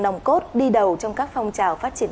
nòng cốt đi đầu trong các phong trào phát triển